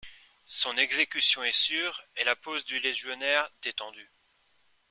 Son exécution est sure et la pose du légionnaire détendue.